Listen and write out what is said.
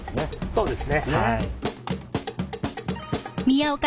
そうです。